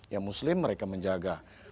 yang muslim mereka menjaga